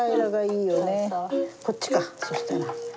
こっちかそしたら。